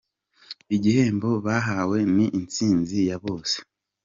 Iki gihembo bahawe ni intsinzi ya bose.